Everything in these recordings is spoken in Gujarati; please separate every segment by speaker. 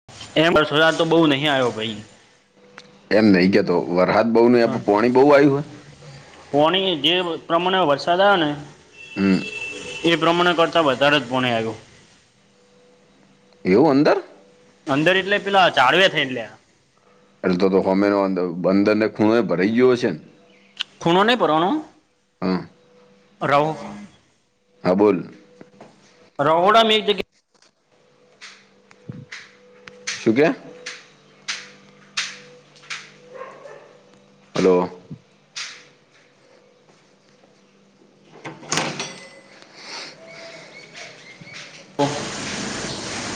Speaker 1: [inaudible]
Speaker 2: [unintelligible] તો બઉ નહી આવ્યો ભાઈ.
Speaker 1: એમ નહી કેતો વરહદ બહુ ન એ
Speaker 2: હા
Speaker 1: પોણી બહુ આવ્યું હોય.
Speaker 2: પોણી જે પ્રમાણે વરસાદ આવ્યો ને
Speaker 1: હમ
Speaker 2: એ પ્રમાણે કરતા વધારે જ પોણે આવ્યો.
Speaker 1: એવું અંદર
Speaker 2: અંદર એટલે પેલા ચારવે થઈ લયા
Speaker 1: એટલે તો તો હોમેનોર બંધરને ખૂણો ભરાઈ ગયો હ સે ન
Speaker 2: ખૂણો નહી પરનો
Speaker 1: હા
Speaker 2: રવો
Speaker 1: હા બોલ
Speaker 2: રોહોડા મે એક જગ્યા
Speaker 1: શું કે? હલો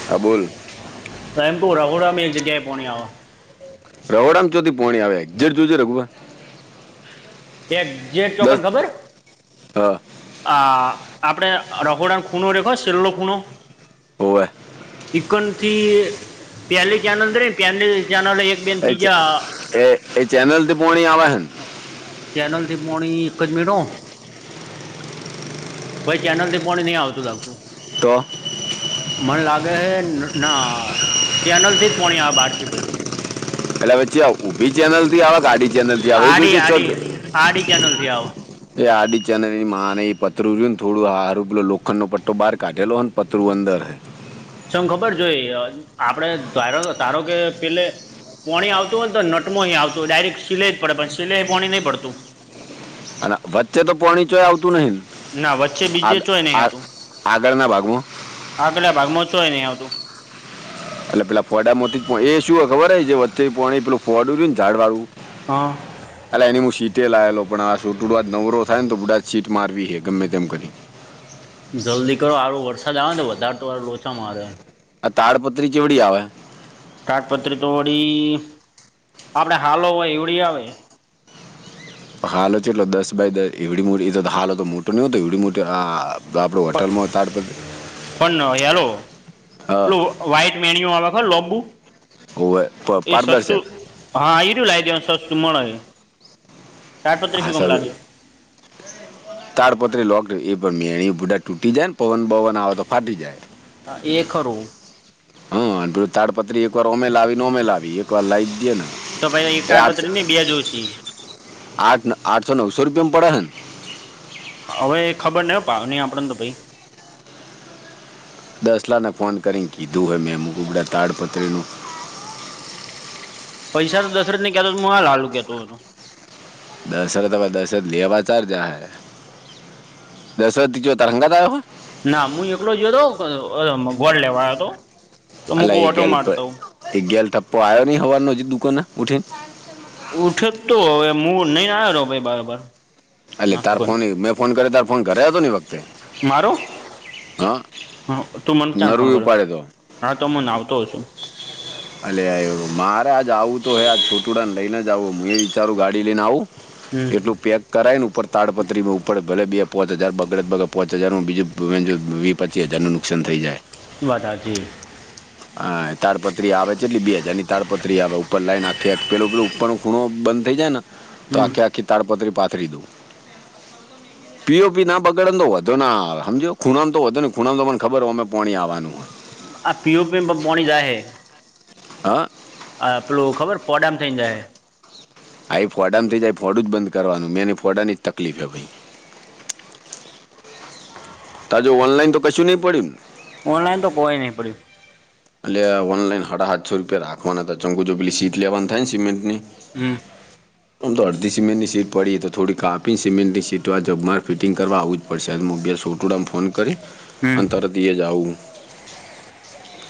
Speaker 1: હા બોલ.
Speaker 2: મેં એમ કવુ રહોડા મા એક જગ્યા પોણી આવ
Speaker 1: રોહોડા મ ચોથી પોણી આવે એક્ઝેટ જોજે રઘુભાઈ
Speaker 2: એક્ ઝેટ તો તને
Speaker 1: દસ
Speaker 2: ખબર હે.
Speaker 1: હા
Speaker 2: આ આપડે રહોડા ન ખૂણો રેખો સેલો ખૂણો
Speaker 1: હોવે
Speaker 2: એકન થી પેલી ચેનલ રને પહેલી ચેનલ એક બેન
Speaker 1: એ ચે
Speaker 2: ત્રીજા
Speaker 1: એ એ ચેનલથી પોણી આવાહે
Speaker 2: ચેનલથી પોણી એક જ મી હો ભાઈ ચેનલ પોણી નહી આવતું લાગતું.
Speaker 1: તો
Speaker 2: મને લાગે હૈ ના ચેનલથી જ પોણી આ બહારથી ભાઈ
Speaker 1: એટલે પછી ઊભી ચેનલ થી આવે આડી ચેનલ થી આવે એ
Speaker 2: આડી
Speaker 1: જોજે ચો
Speaker 2: આડી આડી ચેનલથી આવે
Speaker 1: એ આડી ચને એ માને પતરું જોયું ને થોડું હારું પલો લોખંડ નો પટ્ટો બહાર કાઢેલો હ ને પતરું અંદર હે.
Speaker 2: ચમ ખબર જોઈ આપડે ધારો ધારો કે પેલે પાણી આવતું હોયને તો નટ મોહીં આવતોય ડાયરેક્ટ સિલાઈ જ પડે પણ સિલાઈએ પાણી નહીં પડતું.
Speaker 1: અને વચ્ચે તો પોણી ચોય આવતું નહી
Speaker 2: ના વચ્ચે
Speaker 1: આ
Speaker 2: બીજે ચોય નહીં
Speaker 1: આગ
Speaker 2: આવતું
Speaker 1: આગળના ભાગમાં.
Speaker 2: આગલા ભાગમાં ચોય નહી આવતું.
Speaker 1: એટલે પેલા ફડામાંથી પણ એ શુંય ખબર હ જે વચ્ચે પણ એ પેલું ફોડું ઝાડ વાળું
Speaker 2: હા
Speaker 1: આલા એની હું સીટે લાવેલો પણ આ છોટુ આજ નવરો થાય ને તો ગુડા આજ સીટ મારવી હ ગમે તેમ કરી.
Speaker 2: જલ્દી કરો આરો વરસાદ આવે ને વધારે તો વા લોચા મારે
Speaker 1: આ તાડપત્રી ચેવડી આવે.
Speaker 2: કાગપત્રી તો વળી આપડે હાલો હોય એવડી આવે.
Speaker 1: હાલો છે ચેટલો દસ બાય દસ એવડી મોટી એ તો હાલો તો મોટો નહ હોતો એવડી મોટી આ તો આપડું
Speaker 2: પ
Speaker 1: હોટલમા તાડપત્રી
Speaker 2: પણ [unintelligible]
Speaker 1: હા
Speaker 2: પેલુ વાઈટ મેણયુ આવે ખર લોબુ
Speaker 1: ઓવે પ-
Speaker 2: એ સસ્તું
Speaker 1: પારદર્શક
Speaker 2: હા એઈરુ લાવ દેવાન સસ્તું મળે. તાડપત્રી
Speaker 1: હા
Speaker 2: શું કામ
Speaker 1: સારું ઇ
Speaker 2: [inaudible]
Speaker 1: તાડપત્રી લોક એ પણ મેણીયુ બુડા તૂટી જાય ને પવન બવન આવે તો ફાટી જાય.
Speaker 2: હા એ ખરૂ
Speaker 1: હ તાડપત્રી એક વાર ઓમે લાવી ને ઓમે લાવી તો લઇ દે ન
Speaker 2: તો ભાઈ એક
Speaker 1: એ આ
Speaker 2: તાડપત્રી ને બે જોશી
Speaker 1: આઠ આઠસો નવસો રૂપયિયા માં પડેહન
Speaker 2: હવે ખબર ન ભાવ નહી આપડેને તો ભાઈ
Speaker 1: દસલાને ફોન કરીને કીધું હોય મેં [unintelligible] તાડપત્રીનું
Speaker 2: પૈસા તો દસરે જ ને કેતો હું હાલ હાલુ કેતો હતો
Speaker 1: દશરથ દશરત લેવા ચાર જાહૈ દશર કેયો તારંગાતાયો
Speaker 2: ના હું એકલો જો હતો ઓલો ગોળ લેવાયો હતો તો
Speaker 1: અ
Speaker 2: હું કવ
Speaker 1: એ
Speaker 2: ઓટો
Speaker 1: ગેલ
Speaker 2: મારતો
Speaker 1: એ ગેલ ટપ્પો આવ્યો નહી હોવારનો હજી દુકાને ઉઠીને
Speaker 2: ઉઠે તો હવે મુ નહી આવેલો ભાઈ બરાબર
Speaker 1: એટલે
Speaker 2: નાસ્તો
Speaker 1: તાર
Speaker 2: કરી
Speaker 1: ફોન મેં ફોન કર્યો તાર ફોન કરે હતો એ વખતે
Speaker 2: મારો
Speaker 1: હા
Speaker 2: તું મને ચાન
Speaker 1: નર
Speaker 2: ફોન કર્યો
Speaker 1: ઉપાડે તો
Speaker 2: હા તો હું મન આવતો છું
Speaker 1: અ મારે આજ આવું તો હે આજ છોટુડાને લઈને જ આવું હું એ વિચારું ગાડી લઈને આવું
Speaker 2: હમ
Speaker 1: એટલું પેક કરાય ને ઉપર તાડપત્રી ઉપર ભલે બે પોચ હજાર બગડગે પોંચ હજાર બીજું વીસ પચી હજાર ન ફક્શન થઈ જાય
Speaker 2: વાત સાચી
Speaker 1: હા તાડપત્રી આવે છે એટલી બે હજાર ની તાડપત્રી આવે ઉપર લાઈન આખી આખી પેલું પેલ ઉપર નો ખૂણો બંધ થઈ જાય ને તો
Speaker 2: હમ
Speaker 1: આખી આખી તાડપત્રી પાથરી દઉ
Speaker 2: [inaudible]
Speaker 1: પીઓપી ના બગડને તો વધો ના આવે સમજો ખૂણા તો વધોને ખૂણા તો મને ખબર હો અમે પોણી આવવાનું
Speaker 2: આ પી ઓપીમાં પાોણી જાય હે
Speaker 1: [inaudible]
Speaker 2: હા પેલુ ખબર પોડામ થઈ જાય
Speaker 1: આા ફોડા થઈ જાય ફોડું જ બંધ કરવાનું મેંને ફોડા ની જ તકલીફે ભાઈ ત જો ઓનલાઇન તો કશું નહીં પડીયુ ને
Speaker 2: ઓનલાઈન તો કોય નહીં પડ્યું
Speaker 1: અલ્યા ઓનલાઈન હાડા હાતસો રૂપિયા રાખવાના હતા ચમ કઉ જો પેલી સીટ લેવાનું થાય ને સિમેન્ટ ની
Speaker 2: હમ્મ.
Speaker 1: આમ તો અડધી સિમેન્ટની સીટ પડીએ તો થોડી કાપીને સિમેન્ટની સીટ હો જબમાર ફિટિંગ કરવા આવું જ વરસાદ મોબય સોટુંડમ ફોન કરી
Speaker 2: હમ
Speaker 1: અને તરત ઈએ જ આવું હું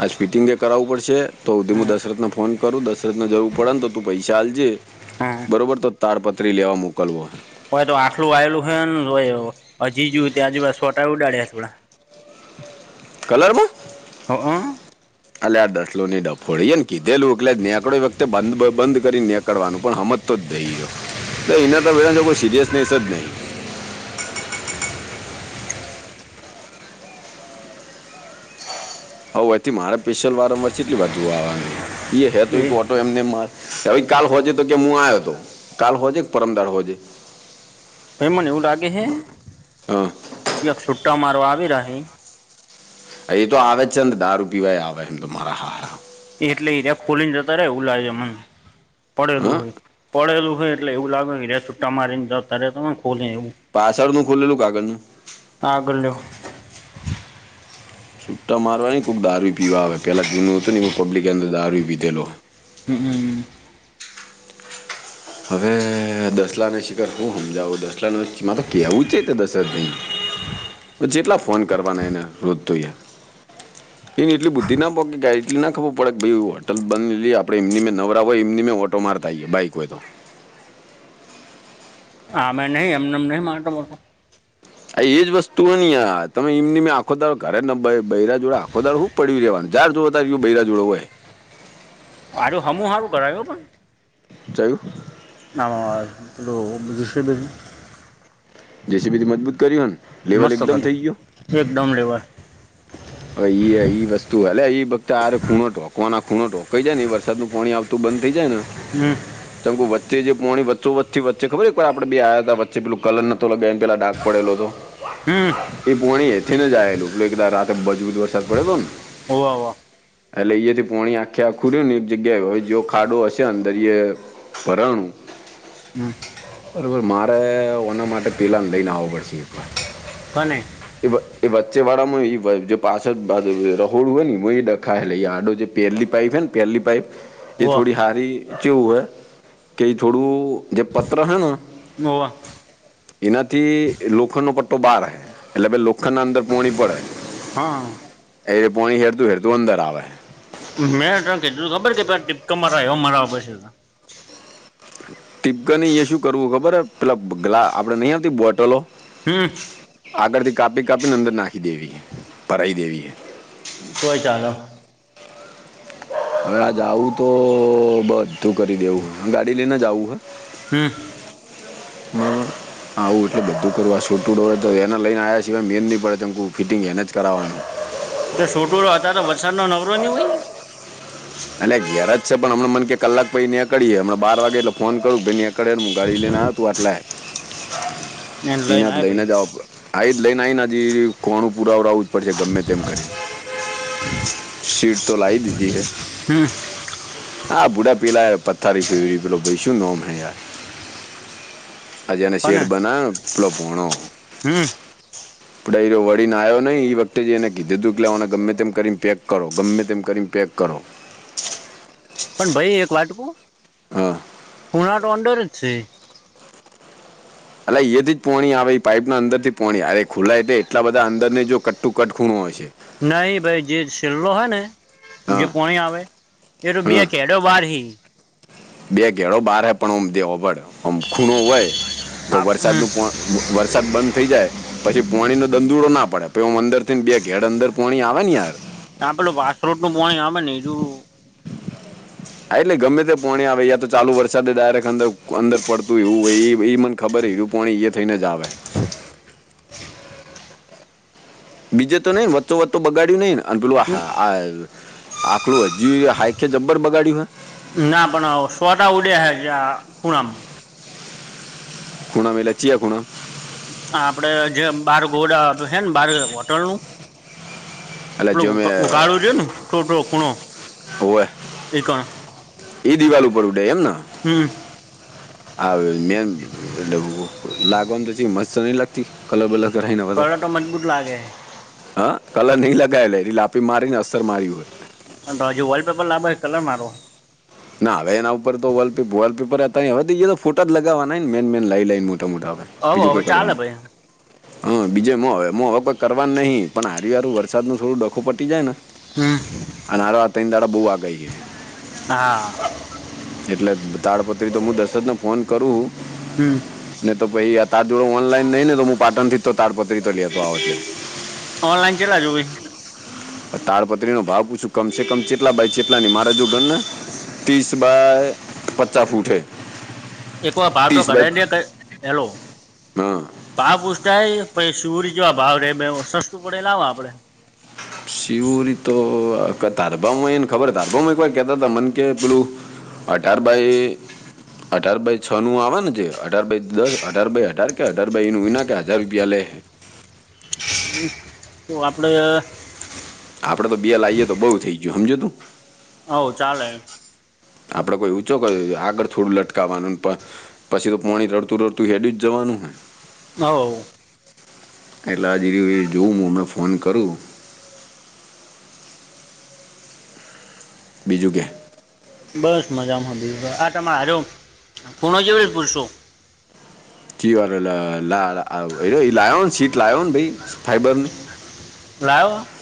Speaker 1: આજ ફિટિંગ એ કરાવું પડશે તો હુંધી હું દશરથન ફોન કરું દશરથન જરૂર પડન તો તું પૈસા આલજે
Speaker 2: હા.
Speaker 1: બરોબર તો તારપત્રી લેવા મોકલવો હે.
Speaker 2: હોય તો આટલું આવેલું હે તો હજી જુંઓ ત્યાં જુઓ સોટા ઉડાડ્યા થોડા
Speaker 1: કલરમાં
Speaker 2: હઅ
Speaker 1: અલ્યા આ ડસલો ને એ ડફોળ ઈએ ન કીધેલું એટલે નેકડો એટલે વખતે બ બંધ કરીને નીકડવાનું પણ હમત તો જઈ તો એન તો જો કોઈ સિરિયસલી સજ નહી. હવ એથી મારે પેશિયલ વારંવાર ચેટલી વાર જોવાનું છે એ હે તો કો એમનેમ કાલ હોજે તો કે હું આવ્યો હતો કાલ હોજે કે પરમદાર હોજે
Speaker 2: ભાઈ મને એવું લાગે હે
Speaker 1: હા
Speaker 2: જ્યાં છૂટ્ટા મારવા આવી રહ્યા
Speaker 1: એ તો આવે છે દારૂ પીવા આવે એમ તો મારા હાહરા
Speaker 2: એ એટલે ત્યાં ખોલી ને જતા રે એઉ લાગે મને પડેલું
Speaker 1: હા
Speaker 2: હોય પડેલું હોય એટલે એવું લાગે કે છુટ્ટા મારીને જતા રેતા ખોલી એવું
Speaker 1: પાછળ નું ખોલેલું કાગળ નુ
Speaker 2: આગલ્યો
Speaker 1: છૂટ્ટા મારવા ને કોક દારૂ પીવા આવે પેલા જૂનું હતું ને એમાં પબ્લિકે અંદર દારૂ પીધેલો
Speaker 2: હમ્મ.
Speaker 1: હવે દસલા ને શિખર શું સમજાવું દસલા નુ માર કેવું ચેતા દશરથ બાઈન
Speaker 2: [inaudible]
Speaker 1: જેટલા ફોન કરવાના એને રોજતો યાર એને એટલી બુદ્ધી ના પોકે એટલી ના ખબર પડે ભાઈ હોટલ બને લીએ આપણે એમની મેં નવરા હોય એમની મેં ઓટો મારતા બાઈક હોય તો
Speaker 2: આ મેં નહ એમનેમ નહી માતોત
Speaker 1: આ એજ વસ્તુ હો નની તમે એમની આખો દાળ કરેને બૈરા જોડે આખો દાળ હું પડી રહેવાનું જાર જોવા તાર બેરા જોડો હોય
Speaker 2: આ સમૂહારું કરાવ પણ
Speaker 1: જયું.
Speaker 2: ના લો જસી ભેગી.
Speaker 1: જેસી પી થી મજબૂત કરી હો.
Speaker 2: મસ્ત કર્યું એકદમ લેવલ.
Speaker 1: હવે ઈએ ઈ વસ્તુ અલ્યા એ વક્ત આરે ખૂણો ઢોકવાના ખૂણો ધોકાઈ જાય ને વરસાદ નુ પાણી આવતું બંધ થઈ જાય ને.
Speaker 2: હમ્મ.
Speaker 1: તમ કેવુ વચ્ચે જે પોણી વચ્ચે વચ્ચો વચ્છી વચ્ચે ખબર એક વાર આપણ બે આયા તા પેલું કલન તો ઓલા બેન પેલા ડાગ પડેલો હતો.
Speaker 2: હમ્મ.
Speaker 1: એ પોણી એથીને જ આયેલું પલે એકદા રાતે મજબૂત વરસાદ પડ્યો તો ન.
Speaker 2: હોવ હોવ.
Speaker 1: એટલે એ જે થી પોણી આખ્યા આ ખુર્યું ને એક જગ્યાએ હ જો ખાડો હશે અંદરય. પરર.
Speaker 2: હમ
Speaker 1: બરોબર મારે ઓના માટે પેલા ને લઈને આવો પડશે એક વાર.
Speaker 2: કોને.
Speaker 1: એ એ વચ્ચે વાળામાં ઈ બાજુ. જો પાછ રહોડ હ ને ડખા હે આડ જે પેલી પાઇપ હ ને પેલી પાઇપ. એ
Speaker 2: હોવા
Speaker 1: થોડી હારી ચેવું હે કે ઈ થોડું જે પત્ર હેન
Speaker 2: હોવ.
Speaker 1: એનાથી લોખંડનો પટ્ટો બહાર રહે એટલે ભાઈ લોખંડના અંદર પોણી પડે.
Speaker 2: હા.
Speaker 1: એ પોણી હેડતું હેડતું અંદર આવે.
Speaker 2: મેં ત કીધું ખબર હે કે પેલા ટીપકા મારા એવા મરવા પડશે તમને.
Speaker 1: ટીપકા ની ઈ શું કરવું ખબર હ પેલા ગ્લા આપણે નહીં આવ હતી બોટલો.
Speaker 2: હમ્મ.
Speaker 1: આગળથી કાપી કાપીને અંદર નાખી દેવીહે ભરાઈ દેવી હે.
Speaker 2: તોય ચાલ હ.
Speaker 1: હવે આજ આવુ તો બધું કરી દેવું ગાડી લઈને જવું હ.
Speaker 2: હમ્મ. [inaudible]
Speaker 1: હા આવું એટલે બધું કરવા છોટું ડ તો એને લઈને આવ્યા સિવાય મેળ નહી પડે ફિટિંગ એને જ કરાવવાનું.
Speaker 2: તો છોટુંડો અતારે વરસાદ નો નવરો નહી હોય.
Speaker 1: અને ઘેર જ છે પણ મન કે કલાક પછી નેકળીએ હમણા બાર વાગે એટલે ફોન કરું ભઇ ને કડે હું ગાડી લઈને આવ તું આટલા એને લઈને જાવા પડે. આ એજ લઈને આ આવી નેજી કોણું પુરાવડાવું જ પડશે ગમે તેમ કરીને. સીટ તો લાઇ દીધી હે.
Speaker 2: હમ્મ.
Speaker 1: હા ભૂડા પીલા પથ્થારી ફેરવી પેલો ભઈ શું નોમ હે યાર. આ જને શેડ બનાયો પેલો ભૂણો.
Speaker 2: હમ્મ.
Speaker 1: આપડે એ વળીને આવ્યો નહી એ વખતે એને કીધું દુ કેલાવાને ગમે તેમ કરીને પેક કરો ગમે તેમ કરીને પેક કરો.
Speaker 2: પણ ભઈ એક વાત કહુ
Speaker 1: હા
Speaker 2: ખૂણા તો અંદર જ છે.
Speaker 1: અ એ થી જ પોણી આવે પાઈપના અંદર થી પોણી અરે ખુલ્લાયટલે એટલા બધા અંદર ને જો કટ ટુ કટ ખૂણું હોય છે.
Speaker 2: નહી ભઈ જે છેલ્લો હોય ને જે
Speaker 1: હા
Speaker 2: પોણી આવે. એ તો
Speaker 1: હા
Speaker 2: બે કેડો વાર હી.
Speaker 1: બે ઘેડો બાર હે પણ ઓમ દેવ હોમભળ આમ ખૂણો હોય તો વરસાદનુ
Speaker 2: આ
Speaker 1: પોણી વરસાદ બંધ થઇ જાય પછી પોણીનો દંધુડો ના પડે પહી હું અંદર થીને બે ઘેડ અંદર પોણી આવે ને યાર.
Speaker 2: ત્યાં પેલું વાસરોટનું પોણી આવે ને હીધું
Speaker 1: એટલે ગમે તે પોણી આવે યા તો ચાલુ વરસાદે ડાયરેક્ટ અંદર અંદર પડતું હોય એવું હોય એ મને ખબર પો એ થઈને જ આવે બીજે તો નઈ વચતો વતોું બગાડ્યું નઈ અને પેલું આપડું હ જ હાઈક જબ્ર બગાડીય.
Speaker 2: ના પણ સ્વતા ઉડે હજ ખુણામાં.
Speaker 1: ખૂનામાં મે લચીએ ખૂણ.
Speaker 2: આપડે જે બાર ઘોડા છેે ને બાર હોટલ નું પ
Speaker 1: એટલે જો
Speaker 2: ઉગાડો
Speaker 1: મેં
Speaker 2: છે ને થોટ ખૂણો
Speaker 1: હોય
Speaker 2: એણ.
Speaker 1: એ દિવાલ ઉપર ઉડે એમ.
Speaker 2: હમ
Speaker 1: હ મેન એલે લાગવાનું તો મત ન લ. કલર બલર કરાય ન બ તો.
Speaker 2: કલર મજબૂત લાગેૈ.
Speaker 1: હા કલર નહી લગાવેલા એ લાપી મારી ને અસર મારી હોય.
Speaker 2: અ તો હજી વોલપેપર લાવબોય કલરરો.
Speaker 1: ના હવે એના ઉપર તો વોલપેપર હતા હવે તો ફોટા જ લગાવવાના મેન મેન લઈ લન. દા આવે
Speaker 2: હવે
Speaker 1: બીજું
Speaker 2: હવે
Speaker 1: કોઈ
Speaker 2: ચાલે
Speaker 1: કરવાનું.
Speaker 2: ભાઈ
Speaker 1: હા બીજે હ હ કોઈ કરવા નહીિ પણ હર હરું વરસાદ ન થડું ડખું પટી જાય ને
Speaker 2: હમ્મ.
Speaker 1: અને હરો [unintelligible] દાડા બહુ વાગાય છે.
Speaker 2: હા.
Speaker 1: એટલે તાડપત્રી તો હું દસત ન ફોન કરું.
Speaker 2: હમ્મ.
Speaker 1: ને તો પછ તાર જોડો ઓનલાઈન નઈ ને તો હું પાટણ થી તો તાારપત્રી તો લેતો આવ છે.
Speaker 2: ઓનલાઇન ચાલક આજો ભાઈ.
Speaker 1: તારપત્રી નો ભાવ પૂછું કમસે કમ ચટલા બાય ચટલા મારા જો ગન ના. ત્રીસ બાય પચાસ ફૂટ છે.
Speaker 2: એકવાર ભાર તો ગઢા દે કર એલો.
Speaker 1: હા
Speaker 2: પા પ ઉછતાાય પછ શિવર જોવા ભાવ રે સસ્તું પડે લાવ આપડે.
Speaker 1: શિવરી તો ધારભા એને ખબર ધારભામાં એક વાર કેતા હતા મન કે પેલું અઠાર બાઈ અઢાર બાય છ નું આવવાનું છે અઢાર બાય દસ અઢાર બાય અઢાર કે અઢાર બાય એ ન વિના કે હજાર રૂપિયા લે.
Speaker 2: હ તો આપડે
Speaker 1: આપડે તો બે લાવએ તો બઉુ થઈ ગયું સમજુ તું
Speaker 2: હ ચાલે.
Speaker 1: આપડે કોઈ ઊંચો [unintelligible] આગળ થોડું લટકાવવાનું પણ પછી તો પાણી રડતું રડતું હેડું જ જવાનું હ.
Speaker 2: [inaudible]
Speaker 1: એટલે આ જે એ જોઉું હું હમણાં ફોન કરું બીજું કે.
Speaker 2: બસ મજામાં બી આ તમે હાર્યો ખૂણો જેવી જ પૂરશો.
Speaker 1: કી વારો લ લ એ લાયો સીટ લયો ને ભાઈ ફાઈબરની.
Speaker 2: [unintelligible]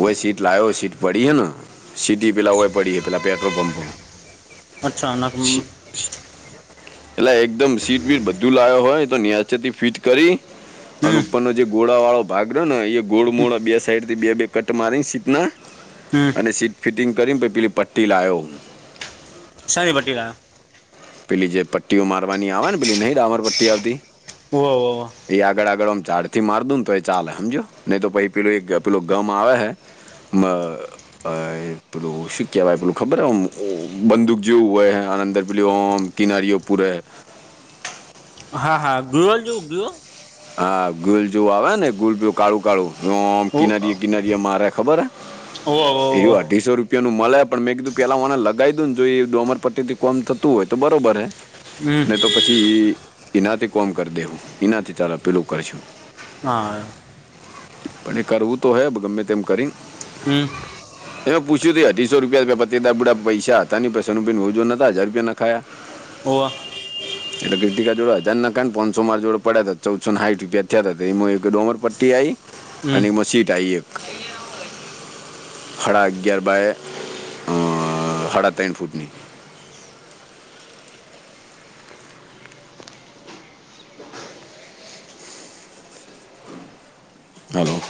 Speaker 1: વય સીટ લાયો સીટ પડીએ ન. સીટી પેલા હોય પડી પેલા પેટ્રોલ પંપો
Speaker 2: અચ્છા નક
Speaker 1: એટલે એકદમ સીટ બીટ બધું લાવો હોય તો [unintelligible] ફિટ કરી અને
Speaker 2: હમ
Speaker 1: ઉપરનો જે ગોળા વાળો ભાગ રહ્યો ને એ ગોળ મોળ બે સાઈડ થી બે બે કટ મારી શીતના.
Speaker 2: હમ્મ.
Speaker 1: અને સીટ ફિટિંગ કરીને પેલી પટ્ટી લાવો
Speaker 2: સારી. [unintelligible]
Speaker 1: પેલી જે પટ્ટીઓ મારવાની આવે ને પેલી નહ રામર પટ્ટી આવતી.
Speaker 2: વાહ વાહ વાહ.
Speaker 1: એ આગળ આગળમ ચાડ થી માર દઉ ને તો એ ચાલે સમજો નહી તો પછ પેલું એક પેલું ગમ આવે હે. મા અ પેલું શું કહેવાય પહેલું ખબર આમ બૂ બંદૂક જેવું હોય આ આનંદર પે યોમ કનારિઓ પુરે.
Speaker 2: હા હા [unintelligible]
Speaker 1: હા ગુલ જેવું આવે ને ગુલ કાળું કાળું આમ
Speaker 2: ઓ
Speaker 1: કિનારી. ગિનારીએ મારેે ખબર
Speaker 2: ઓ હો.
Speaker 1: એવ અઢીસો રૂપિયા નું મળે પણ મેં કીધું પેલા મને લગાવી દઉને જો એ અમર પટ્ટીથી કોમ તું હોય તો બરોબર હૈ.
Speaker 2: હમ
Speaker 1: ને તો પછી એનાથી કોમ કરી દેવું એનાથી ચાલો પેલું કરશું.
Speaker 2: હા.
Speaker 1: અને એ કરવું તો હય ગમે તેમ કરી.
Speaker 2: હમ્મ.
Speaker 1: એમાં પૂછ્યું અઢીસો રૂપિયા પત બુડા પૈસા હતા પૈસાનું બિન મો જોોતા હજાર રૂપિયા ના ખાયા
Speaker 2: વાહ.
Speaker 1: એટલે કટિકા જોડડા હજાર ના પાંચસો માર જોડે પડ્યા હતાા ચૌસો સાઠ રૂપિયા થયા હતા એમાં એક ડોમર પટ્ટી આઈ
Speaker 2: હમ
Speaker 1: અને મસ્ સીટ આાઈ એક
Speaker 2: [inaudible]
Speaker 1: સાડા અગિયાર બાય અ સાડા ત્રણ ફૂટની. હલો.